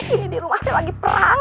ini di rumahnya lagi perang